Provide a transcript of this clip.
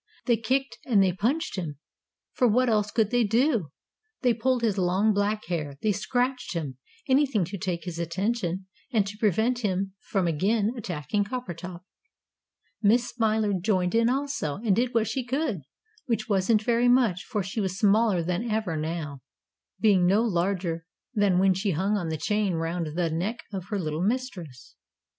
They kicked and they punched him for what else could they do? They pulled his long, black hair. They scratched him. Anything to take his attention, and to prevent him from again attacking Coppertop. Miss Smiler joined in also, and did what she could, which wasn't very much, for she was smaller than ever now, being no larger than when she hung on the chain round the neck of her little mistress.